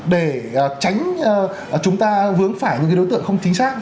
để tránh chúng ta vướng phải những đối tượng không chính xác